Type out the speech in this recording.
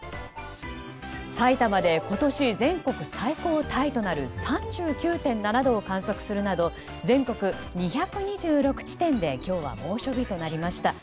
埼玉で今年全国最高タイとなる３９．７度を観測するなど全国２２６地点で今日は猛暑日となりました。